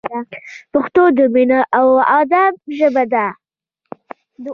پښتو د مینې او ادب ژبه ده!